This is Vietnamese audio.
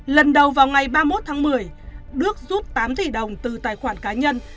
lần đầu vào ngày ba mươi một tháng một mươi đức rút tám tỷ đồng từ tài khoản cá nhân